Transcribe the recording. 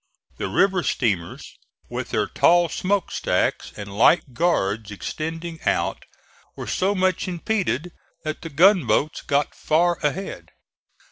The river steamers, with their tall smokestacks and light guards extending out, were so much impeded that the gunboats got far ahead.